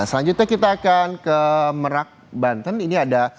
selanjutnya kita akan ke merak banten